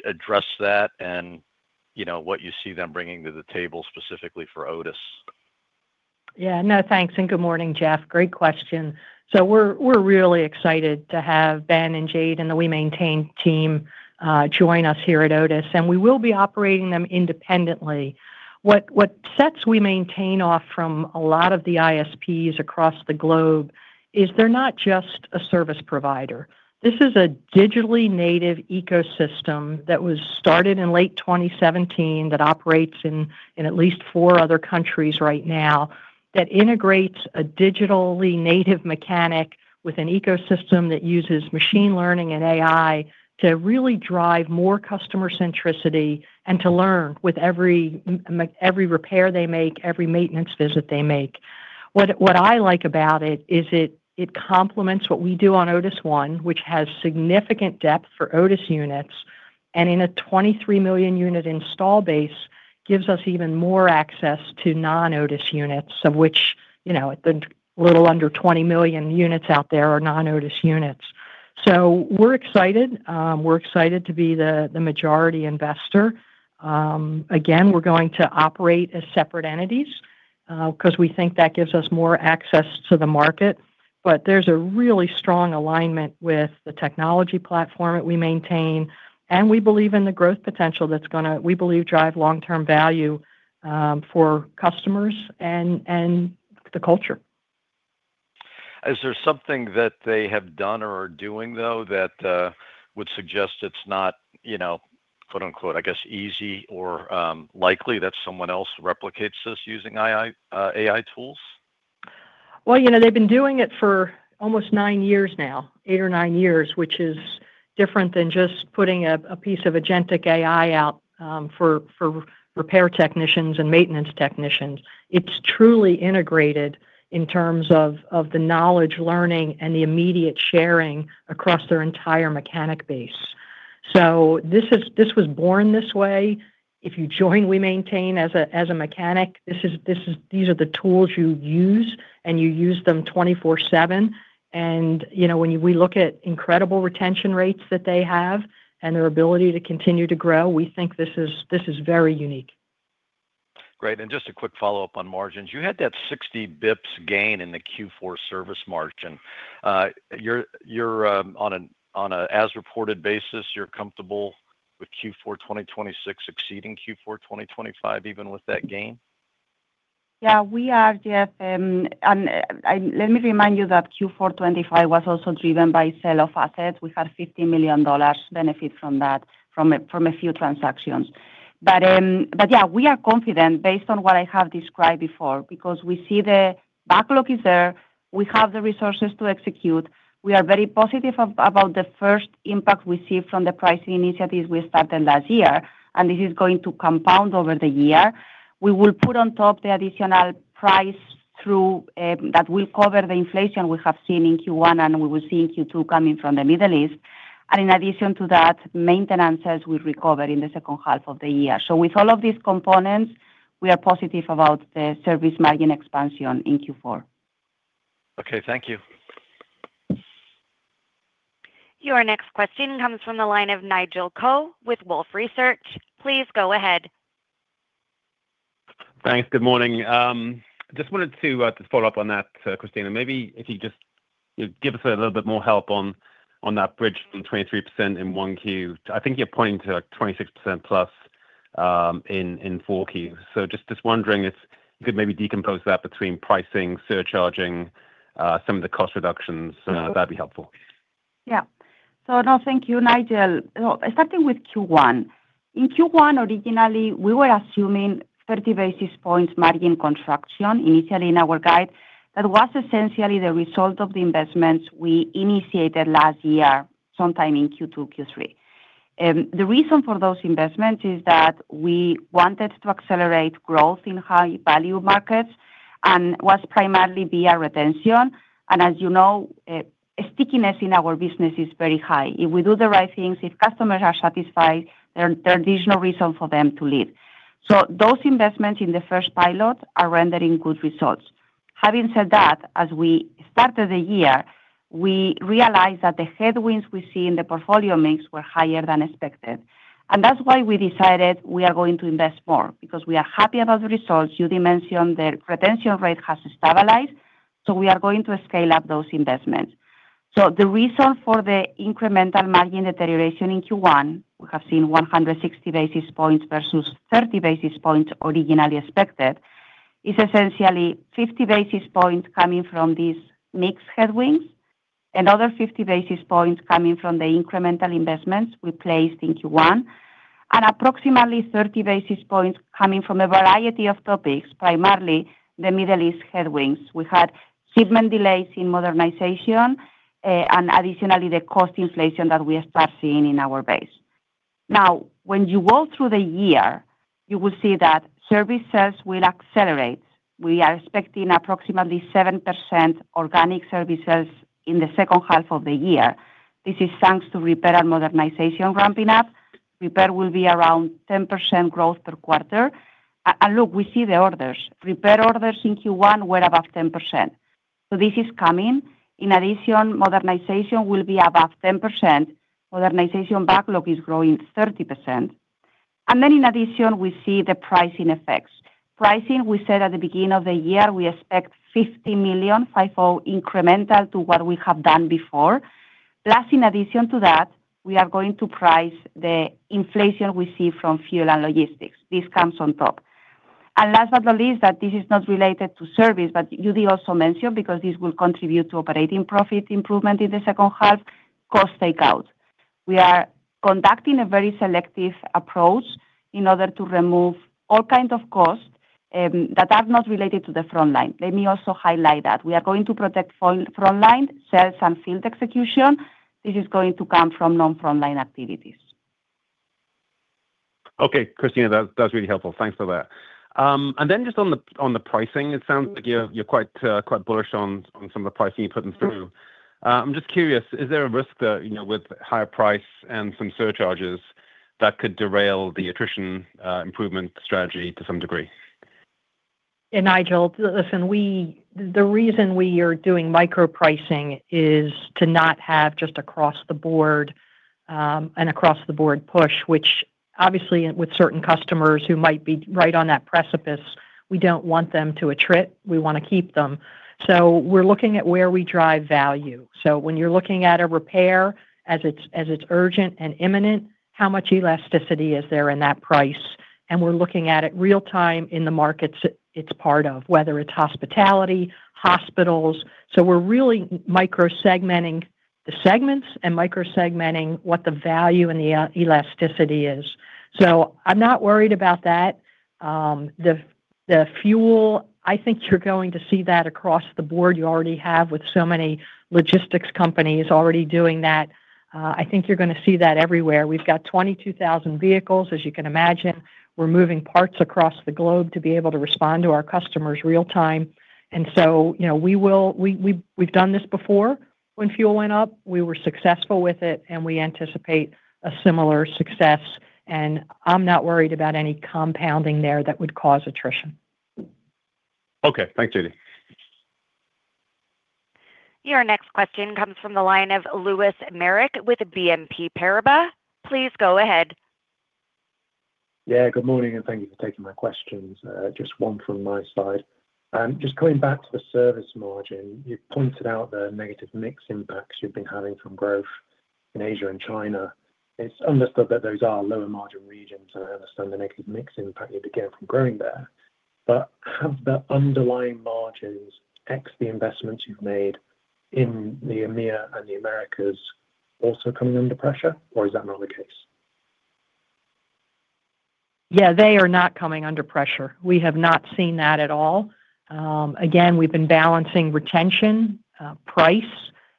address that and what you see them bringing to the table specifically for Otis. Yeah. No, thanks, and good morning, Jeff. Great question. We're really excited to have Ben and Jade and the WeMaintain team join us here at Otis, and we will be operating them independently. What sets WeMaintain off from a lot of the ISPs across the globe is they're not just a service provider. This is a digitally native ecosystem that was started in late 2017 that operates in at least four other countries right now, that integrates a digitally native mechanic with an ecosystem that uses machine learning and AI to really drive more customer centricity and to learn with every repair they make, every maintenance visit they make. What I like about it is it complements what we do on Otis ONE, which has significant depth for Otis units, and in a 23-million-unit install base, gives us even more access to non-Otis units, of which a little under 20 million units out there are non-Otis units. We're excited. We're excited to be the majority investor. Again, we're going to operate as separate entities because we think that gives us more access to the market, but there's a really strong alignment with the technology platform at WeMaintain, and we believe in the growth potential that's going to, we believe, drive long-term value for customers and the culture. Is there something that they have done or are doing though that would suggest it's not, quote unquote, I guess, easy or likely that someone else replicates this using AI tools? Well, they've been doing it for almost 9 years now, 8 or 9 years, which is different than just putting a piece of agentic AI out for repair technicians and maintenance technicians. It's truly integrated in terms of the knowledge, learning, and the immediate sharing across their entire mechanic base. This was born this way. If you join WeMaintain as a mechanic, these are the tools you use, and you use them 24/7. When we look at incredible retention rates that they have and their ability to continue to grow, we think this is very unique. Great. Just a quick follow-up on margins. You had that 60 basis points gain in the Q4 service margin. On an as-reported basis, you're comfortable with Q4 2026 exceeding Q4 2025, even with that gain? Yeah. We are, Jeff, and let me remind you that Q4 2025 was also driven by sale of assets. We had $50 million benefit from a few transactions. Yeah, we are confident based on what I have described before, because we see the backlog is there, we have the resources to execute. We are very positive about the first impact we see from the pricing initiatives we started last year. This is going to compound over the year. We will put on top the additional pass-through that will cover the inflation we have seen in Q1 and we will see in Q2 coming from the Middle East. In addition to that, maintenance as we recover in the second half of the year. With all of these components, we are positive about the service margin expansion in Q4. Okay. Thank you. Your next question comes from the line of Nigel Coe with Wolfe Research. Please go ahead. Thanks. Good morning. Just wanted to follow up on that, Cristina. Maybe if you just give us a little bit more help on that bridge from 23% in Q1. I think you're pointing to a 26%+ in Q4. Just was wondering if you could maybe decompose that between pricing, surcharging, some of the cost reductions. Sure That'd be helpful. Yeah. No, thank you, Nigel. Starting with Q1. In Q1 originally, we were assuming 30 basis points margin contraction initially in our guide. That was essentially the result of the investments we initiated last year, sometime in Q2, Q3. The reason for those investments is that we wanted to accelerate growth in high-value markets and was primarily via retention. As you know, stickiness in our business is very high. If we do the right things, if customers are satisfied, there is no reason for them to leave. Those investments in the first pilot are rendering good results. Having said that, as we started the year, we realized that the headwinds we see in the portfolio mix were higher than expected. That's why we decided we are going to invest more because we are happy about the results. Judy mentioned the retention rate has stabilized, so we are going to scale up those investments. The reason for the incremental margin deterioration in Q1, we have seen 160 basis points versus 30 basis points originally expected, is essentially 50 basis points coming from these mix headwinds, another 50 basis points coming from the incremental investments we placed in Q1, and approximately 30 basis points coming from a variety of topics, primarily the Middle East headwinds. We had shipment delays in modernization, and additionally, the cost inflation that we are still seeing in our base. Now, when you go through the year, you will see that service sales will accelerate. We are expecting approximately 7% organic service sales in the second half of the year. This is thanks to repair and modernization ramping up. Repair will be around 10% growth per quarter. Look, we see the orders. Repair orders in Q1 were above 10%. This is coming. In addition, modernization will be above 10%. Modernization backlog is growing 30%. In addition, we see the pricing effects. Pricing, we said at the beginning of the year, we expect $50 million incremental to what we have done before. Last, in addition to that, we are going to price the inflation we see from fuel and logistics. This comes on top. Last but not least, that this is not related to service, but Judy also mentioned, because this will contribute to operating profit improvement in the second half, cost takeout. We are conducting a very selective approach in order to remove all kinds of costs that are not related to the frontline. Let me also highlight that. We are going to protect frontline sales and field execution. This is going to come from non-frontline activities. Okay, Cristina, that's really helpful. Thanks for that. Then just on the pricing, it sounds like you're quite bullish on some of the pricing you're putting through. I'm just curious, is there a risk that with higher price and some surcharges that could derail the attrition improvement strategy to some degree? Nigel, listen, the reason we are doing micro-pricing is to not have just an across the board push, which obviously with certain customers who might be right on that precipice, we don't want them to attrit. We want to keep them. We're looking at where we drive value. When you're looking at a repair as it's urgent and imminent, how much elasticity is there in that price? We're looking at it real time in the markets it's part of, whether it's hospitality, hospitals. We're really micro-segmenting the segments and micro-segmenting what the value and the elasticity is. I'm not worried about that. The fuel, I think you're going to see that across the board. You already have with so many logistics companies already doing that. I think you're going to see that everywhere. We've got 22,000 vehicles, as you can imagine. We're moving parts across the globe to be able to respond to our customers real time. We've done this before when fuel went up. We were successful with it and we anticipate a similar success, and I'm not worried about any compounding there that would cause attrition. Okay. Thanks, Judy. Your next question comes from the line of Louis Meric with BNP Paribas. Please go ahead. Yeah, good morning, and thank you for taking my questions. Just one from my side. Just going back to the service margin, you pointed out the negative mix impacts you've been having from growth in Asia and China. It's understood that those are lower margin regions, and I understand the negative mix impact you'd be getting from growing there. Have the underlying margins, ex the investments you've made in the EMEA and the Americas, also coming under pressure, or is that not the case? Yeah, they are not coming under pressure. We have not seen that at all. Again, we've been balancing retention, price,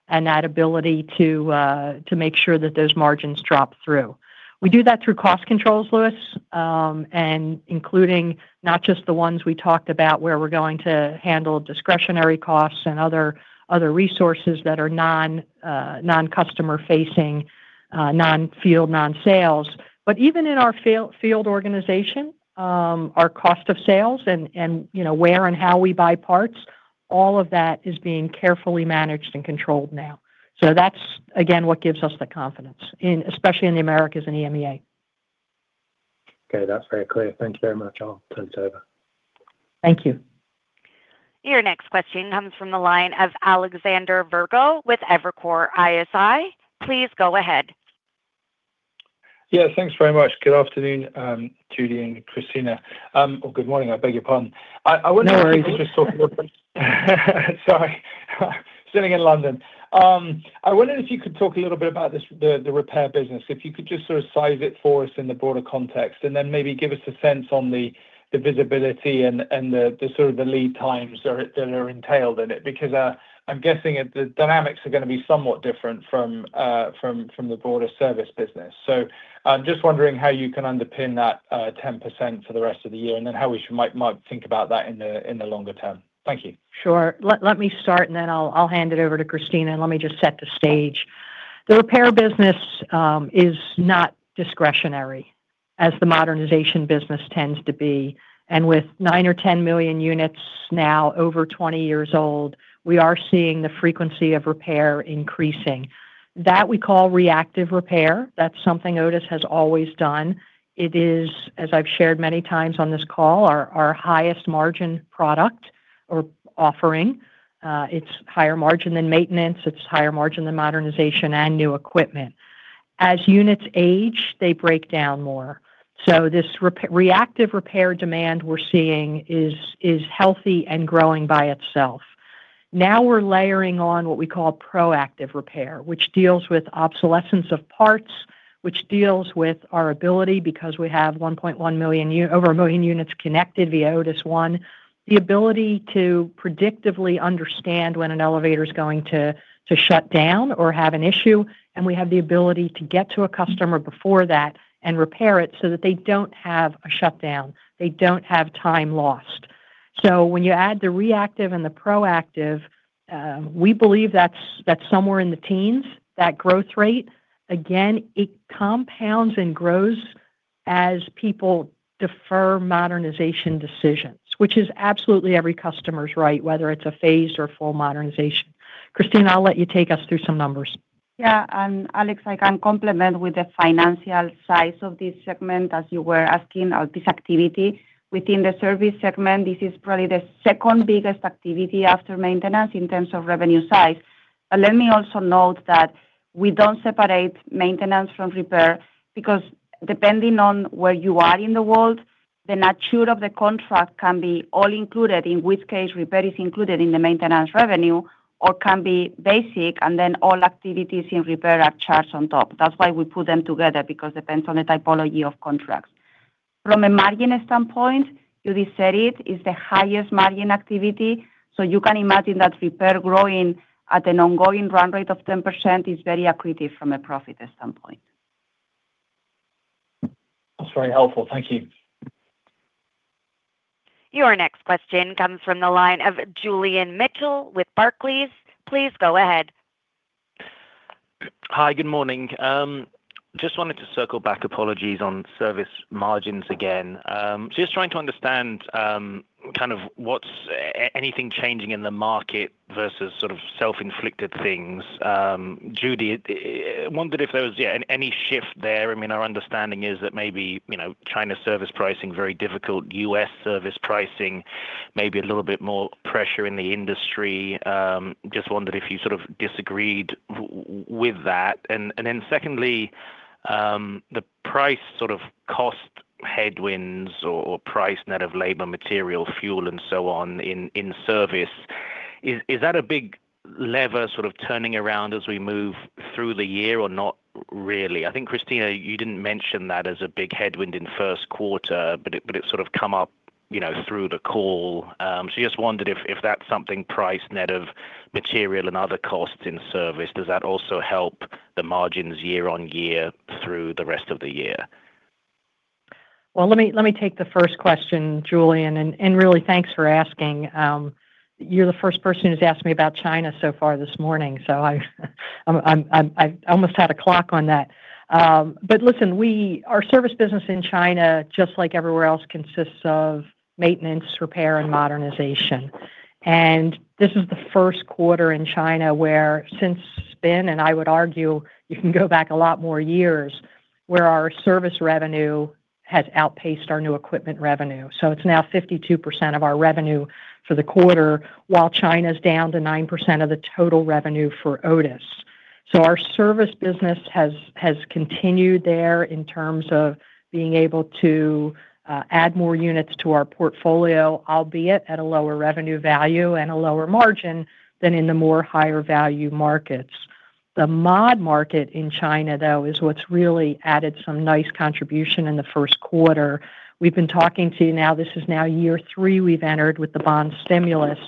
and that ability to make sure that those margins drop through. We do that through cost controls, Louis, and including not just the ones we talked about where we're going to handle discretionary costs and other resources that are non-customer facing, non-field, non-sales. Even in our field organization, our cost of sales and where and how we buy parts, all of that is being carefully managed and controlled now. That's, again, what gives us the confidence, especially in the Americas and EMEA. Okay, that's very clear. Thank you very much. I'll turn it over. Thank you. Your next question comes from the line of Alexander Virgo with Evercore ISI. Please go ahead. Yeah, thanks very much. Good afternoon, Judy and Cristina. Or good morning, I beg your pardon. No worries. Sorry, sitting in London. I wondered if you could talk a little bit about the repair business, if you could just sort of size it for us in the broader context, and then maybe give us a sense on the visibility and the sort of the lead times that are entailed in it, because I'm guessing the dynamics are going to be somewhat different from the broader service business. I'm just wondering how you can underpin that 10% for the rest of the year, and then how we might think about that in the longer term. Thank you. Sure. Let me start, and then I'll hand it over to Cristina, and let me just set the stage. The repair business is not discretionary as the modernization business tends to be. With 9 million or 10 million units now over 20 years old, we are seeing the frequency of repair increasing. That we call reactive repair. That's something Otis has always done. It is, as I've shared many times on this call, our highest margin product or offering. It's higher margin than maintenance. It's higher margin than modernization and new equipment. As units age, they break down more. This reactive repair demand we're seeing is healthy and growing by itself. Now we're layering on what we call proactive repair, which deals with obsolescence of parts, which deals with our ability, because we have over 1 million units connected via Otis ONE, the ability to predictively understand when an elevator's going to shut down or have an issue, and we have the ability to get to a customer before that and repair it so that they don't have a shutdown. They don't have time lost. When you add the reactive and the proactive, we believe that's somewhere in the teens, that growth rate. Again, it compounds and grows as people defer modernization decisions, which is absolutely every customer's right, whether it's a phased or full modernization. Cristina, I'll let you take us through some numbers. Yeah. Alex, I can complement with the financial size of this segment as you were asking of this activity. Within the service segment, this is probably the second biggest activity after maintenance in terms of revenue size. Let me also note that we don't separate maintenance from repair because depending on where you are in the world, the nature of the contract can be all included, in which case repair is included in the maintenance revenue, or can be basic, and then all activities in repair are charged on top. That's why we put them together, because depends on the typology of contracts. From a margin standpoint, Judy said it, is the highest margin activity. You can imagine that repair growing at an ongoing run rate of 10% is very accretive from a profit standpoint. That's very helpful. Thank you. Your next question comes from the line of Julian Mitchell with Barclays. Please go ahead. Hi, good morning. Just wanted to circle back, apologies, on service margins again. Just trying to understand kind of what, if anything, is changing in the market versus sort of self-inflicted things. Judy, wondered if there was any shift there. Our understanding is that maybe, China service pricing very difficult, U.S. service pricing maybe a little bit more pressure in the industry. Just wondered if you sort of disagreed with that. Secondly, the pricing sort of cost headwinds or pricing net of labor, material, fuel, and so on in service. Is that a big lever sort of turning around as we move through the year or not really? I think, Cristina, you didn't mention that as a big headwind in the first quarter, but it's sort of come up through the call. Just wondered if that's something price net of material and other costs in service, does that also help the margins year-on-year through the rest of the year? Well, let me take the first question, Julian, and really thanks for asking. You're the first person who's asked me about China so far this morning, so I almost had a clock on that. Listen, our service business in China, just like everywhere else, consists of maintenance, repair, and modernization. This is the first quarter in China where since spin, and I would argue you can go back a lot more years, where our service revenue has outpaced our new equipment revenue. It's now 52% of our revenue for the quarter, while China's down to 9% of the total revenue for Otis. Our service business has continued there in terms of being able to add more units to our portfolio, albeit at a lower revenue value and a lower margin than in the more higher value markets. The mod market in China, though, is what's really added some nice contribution in the first quarter. We've been talking to you now, this is now year three we've entered with the bond stimulus.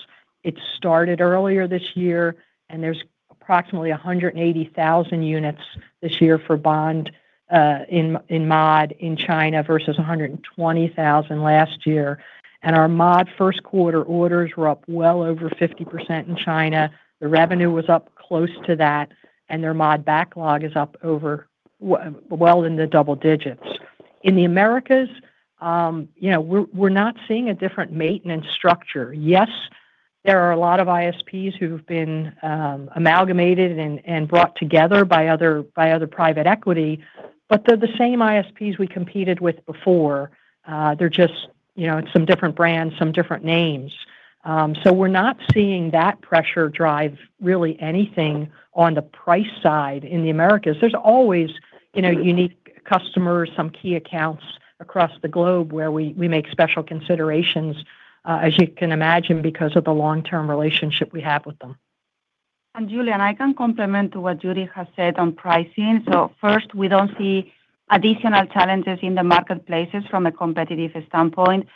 It started earlier this year, and there's approximately 180,000 units this year for bond in mod in China versus 120,000 last year. Our mod first quarter orders were up well over 50% in China. The revenue was up close to that, and their mod backlog is up over well in the double digits. In the Americas, we're not seeing a different maintenance structure. Yes, there are a lot of ISPs who've been amalgamated and brought together by other private equity, but they're the same ISPs we competed with before. They're just some different brands, some different names. We're not seeing that pressure drive really anything on the price side in the Americas. There's always unique customers, some key accounts across the globe where we make special considerations, as you can imagine because of the long-term relationship we have with them. Julian, I can complement what Judy has said on pricing. First, we don't see additional challenges in the marketplaces from a competitive standpoint.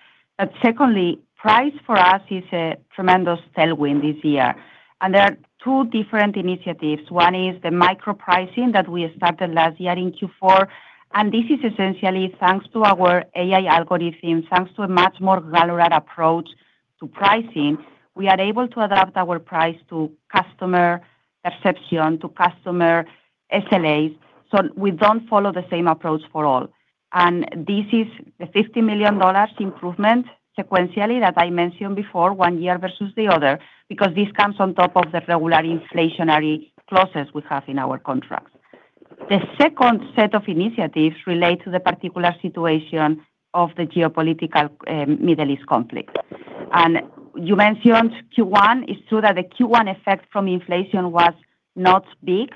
Secondly, price for us is a tremendous tailwind this year. There are two different initiatives. One is the micro-pricing that we started last year in Q4. This is essentially thanks to our AI algorithm, thanks to a much more regular approach to pricing, we are able to adapt our price to customer perception, to customer SLAs, so we don't follow the same approach for all. This is a $50 million improvement sequentially, that I mentioned before, one year versus the other, because this comes on top of the regular inflationary clauses we have in our contracts. The second set of initiatives relate to the particular situation of the geopolitical Middle East conflict. You mentioned Q1, it's true that the Q1 effect from inflation was not big.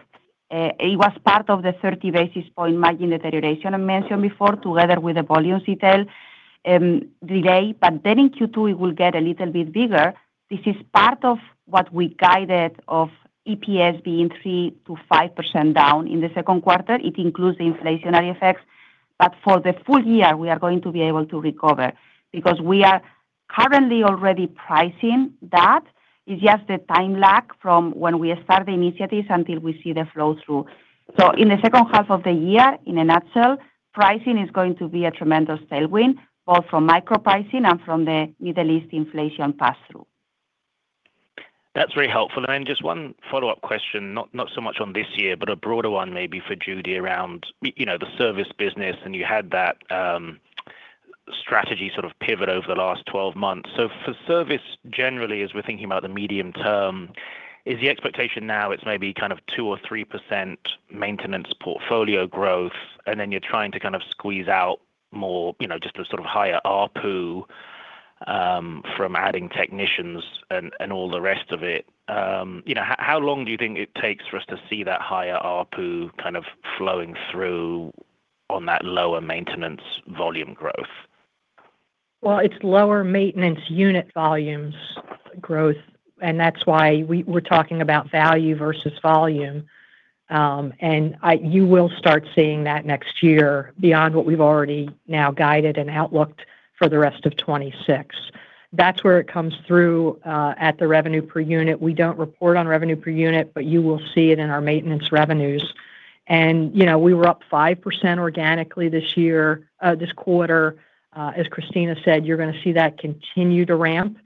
It was part of the 30 basis points margin deterioration I mentioned before, together with the volume deleverage. In Q2, it will get a little bit bigger. This is part of what we guided of EPS being 3%-5% down in the second quarter. It includes the inflationary effects. For the full year, we are going to be able to recover because we are currently already pricing that. It's just a time lag from when we start the initiatives until we see the flow through. In the second half of the year, in a nutshell, pricing is going to be a tremendous tailwind, both from micro-pricing and from the Middle East inflation pass-through. That's very helpful. Then just one follow-up question, not so much on this year, but a broader one maybe for Judy around the service business, and you had that strategy sort of pivot over the last 12 months. For service generally, as we're thinking about the medium term, is the expectation now it's maybe kind of 2% or 3% maintenance portfolio growth, and then you're trying to kind of squeeze out more, just a sort of higher ARPU, from adding technicians and all the rest of it. How long do you think it takes for us to see that higher ARPU kind of flowing through on that lower maintenance volume growth? Well, it's lower maintenance unit volumes growth, and that's why we're talking about value versus volume, and you will start seeing that next year beyond what we've already now guided and outlooked for the rest of 2026. That's where it comes through, at the revenue per unit. We don't report on revenue per unit, but you will see it in our maintenance revenues. We were up 5% organically this year, this quarter. As Cristina said, you're going to see that continue to ramp,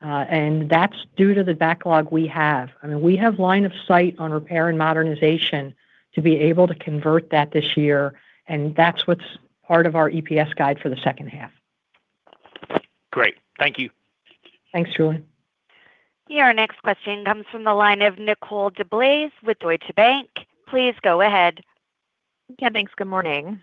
and that's due to the backlog we have. I mean, we have line of sight on repair and modernization to be able to convert that this year, and that's what's part of our EPS guide for the second half. Great. Thank you. Thanks, Julian. Your next question comes from the line of Nicole DeBlase with Deutsche Bank. Please go ahead. Yeah, thanks. Good morning.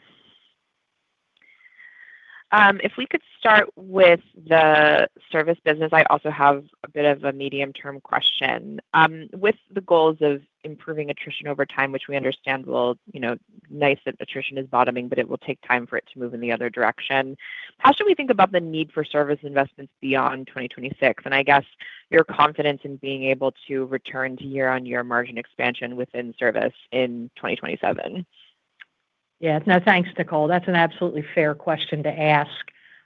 If we could start with the service business, I also have a bit of a medium-term question. With the goals of improving attrition over time, which we understand will, nice that attrition is bottoming, but it will take time for it to move in the other direction. How should we think about the need for service investments beyond 2026, and I guess your confidence in being able to return to year-on-year margin expansion within service in 2027? Yeah. No, thanks, Nicole. That's an absolutely fair question to ask.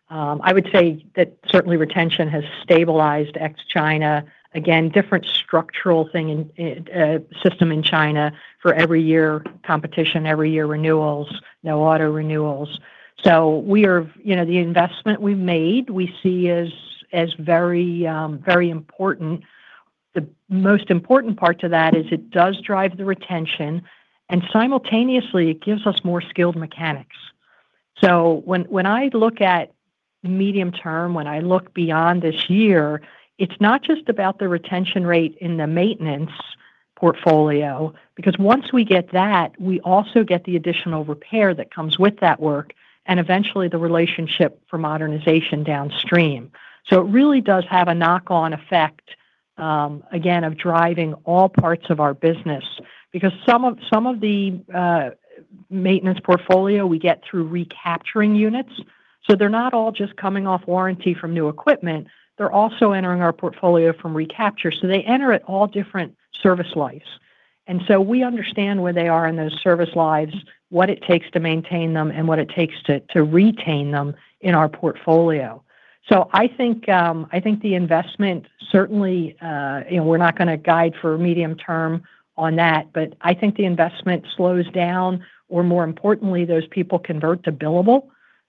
I would say that certainly retention has stabilized ex-China. Again, different structural system in China for every year competition, every year renewals, no auto renewals. The investment we've made, we see as very important. The most important part to that is it does drive the retention, and simultaneously, it gives us more skilled mechanics. When I look at medium term, when I look beyond this year, it's not just about the retention rate in the maintenance portfolio, because once we get that, we also get the additional repair that comes with that work, and eventually the relationship for modernization downstream. It really does have a knock-on effect, again, of driving all parts of our business because some of the maintenance portfolio we get through recapturing units. They're not all just coming off warranty from new equipment. They're also entering our portfolio from recapture. They enter at all different service lives. We understand where they are in those service lives, what it takes to maintain them, and what it takes to retain them in our portfolio. I think the investment, certainly, we're not going to guide for medium term on that, but I think the investment slows down, or more importantly, those people convert to billable.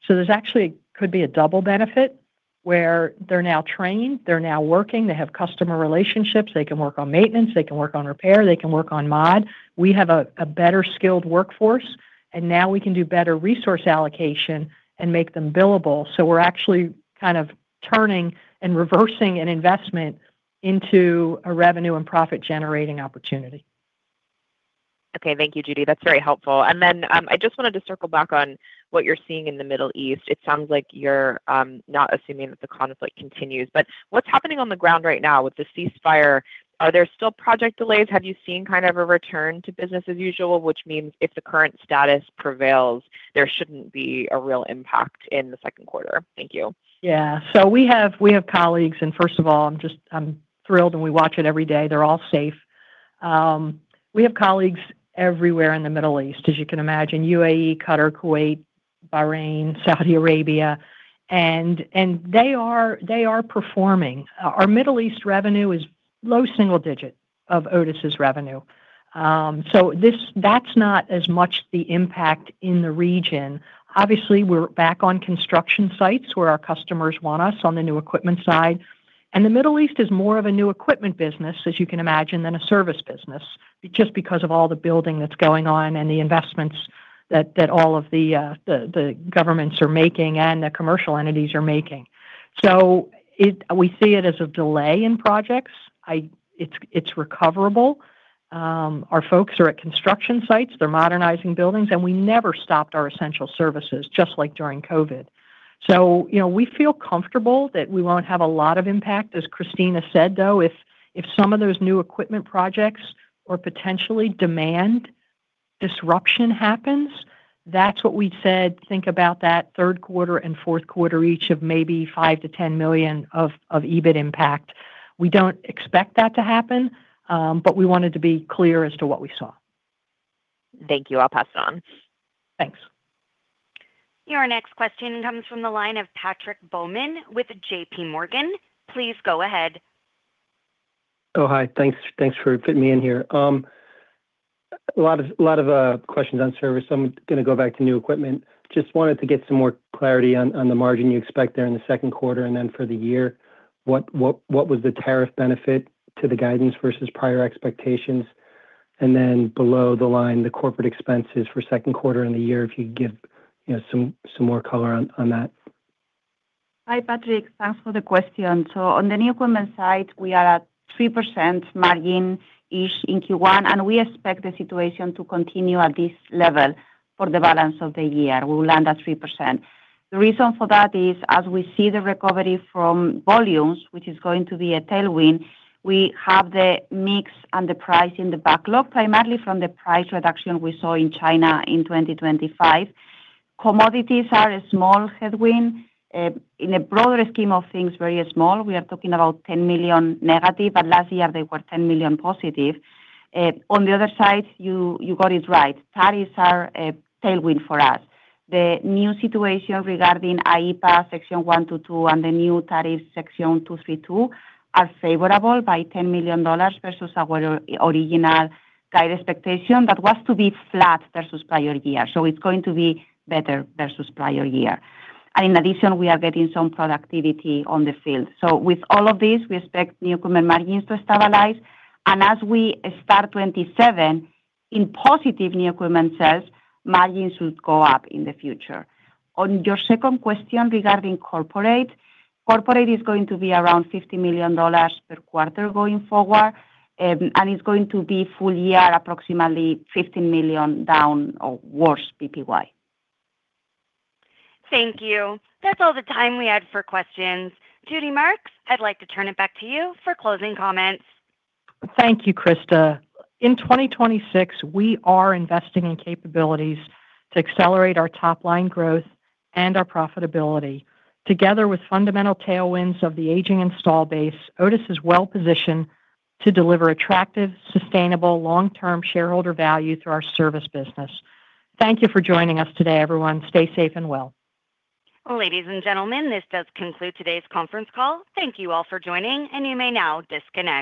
There actually could be a double benefit where they're now trained, they're now working, they have customer relationships, they can work on maintenance, they can work on repair, they can work on mod. We have a better-skilled workforce, and now we can do better resource allocation and make them billable. We're actually kind of turning and reversing an investment into a revenue and profit-generating opportunity. Okay. Thank you, Judy. That's very helpful. I just wanted to circle back on what you're seeing in the Middle East. It sounds like you're not assuming that the conflict continues, but what's happening on the ground right now with the ceasefire? Are there still project delays? Have you seen kind of a return to business as usual, which means if the current status prevails, there shouldn't be a real impact in the second quarter? Thank you. Yeah. We have colleagues, and first of all, I'm thrilled, and we watch it every day. They're all safe. We have colleagues everywhere in the Middle East, as you can imagine, UAE, Qatar, Kuwait, Bahrain, Saudi Arabia, and they are performing. Our Middle East revenue is low single digit of Otis' revenue. That's not as much the impact in the region. Obviously, we're back on construction sites where our customers want us on the new equipment side. The Middle East is more of a new equipment business, as you can imagine, than a service business, just because of all the building that's going on and the investments that all of the governments are making and the commercial entities are making. We see it as a delay in projects. It's recoverable. Our folks are at construction sites. They're modernizing buildings, and we never stopped our essential services, just like during COVID. We feel comfortable that we won't have a lot of impact. As Cristina said, though, if some of those new equipment projects or potentially demand disruption happens, that's what we said, think about that third quarter and fourth quarter, each of maybe $5 million-$10 million of EBIT impact. We don't expect that to happen, but we wanted to be clear as to what we saw. Thank you. I'll pass it on. Thanks. Your next question comes from the line of Patrick Baumann with JPMorgan. Please go ahead. Oh, hi. Thanks for fitting me in here. A lot of questions on service. I'm going to go back to new equipment. Just wanted to get some more clarity on the margin you expect there in the second quarter and then for the year. What was the tariff benefit to the guidance versus prior expectations? Below the line, the corporate expenses for second quarter and the year, if you'd give some more color on that. Hi, Patrick. Thanks for the question. On the new equipment side, we are at 3% margin-ish in Q1, and we expect the situation to continue at this level for the balance of the year. We'll land at 3%. The reason for that is as we see the recovery from volumes, which is going to be a tailwind, we have the mix and the price in the backlog, primarily from the price reduction we saw in China in 2025. Commodities are a small headwind. In a broader scheme of things, very small. We are talking about $10 million negative, but last year they were $10 million positive. On the other side, you got it right. Tariffs are a tailwind for us. The new situation regarding Section 122 and the new tariff Section 232 are favorable by $10 million versus our original guide expectation. That was to be flat versus prior year. It's going to be better versus prior year. In addition, we are getting some productivity on the field. With all of this, we expect new equipment margins to stabilize. As we start 2027, in positive new equipment sales, margins will go up in the future. On your second question regarding corporate is going to be around $50 million per quarter going forward, and it's going to be full year, approximately $15 million down or worse PPY. Thank you. That's all the time we had for questions. Judy Marks, I'd like to turn it back to you for closing comments. Thank you, Krista. In 2026, we are investing in capabilities to accelerate our top-line growth and our profitability. Together with fundamental tailwinds of the aging install base, Otis is well-positioned to deliver attractive, sustainable long-term shareholder value through our service business. Thank you for joining us today, everyone. Stay safe and well. Ladies and gentlemen, this does conclude today's conference call. Thank you all for joining, and you may now disconnect.